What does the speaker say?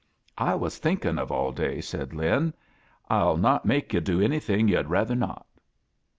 "I was thinkin' of aU day," said Lin. "1*11 not make yo* do anything yu'd rather not."